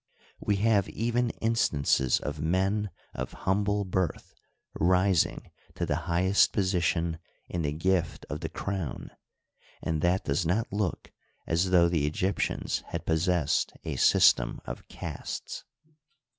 We have even instances of men of humble birth rising to the highest position in the gift of the crown ; and that does not look as though the Egyptians had possessed a system of castes.